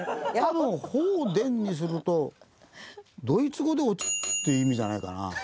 多分「ほうでん」にするとドイツ語でおっていう意味じゃないかな。